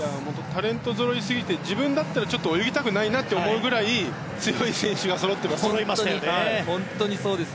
タレントぞろいすぎて自分だったら泳ぎたくないなと思うぐらい強い選手がそろってます。